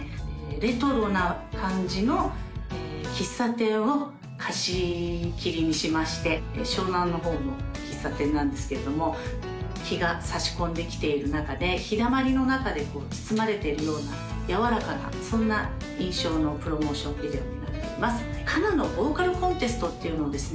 レトロな感じの喫茶店を貸し切りにしまして湘南の方の喫茶店なんですけれども日がさし込んできている中で日だまりの中でこう包まれているようなやわらかなそんな印象のプロモーションビデオになっています「ＫＡＮＡのボーカルコンテスト」っていうのをですね